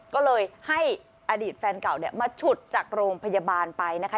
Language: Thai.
ก็เลยให้อดีตแฟนเก่าเนี่ยมาฉุดจากโรงพยาบาลไปนะคะ